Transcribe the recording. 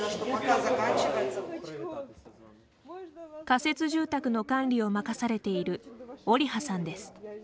仮設住宅の管理を任されているオリハさんです。